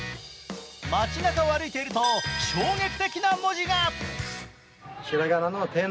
街なかを歩いていると、衝撃的な文字が！